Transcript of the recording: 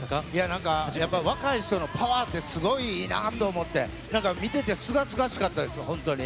なんかやっぱり、若い人のパワーってすごいいいなと思って、なんか、見ててすがすがしかったです、本当に。